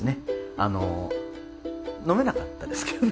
あの飲めなかったですけどね。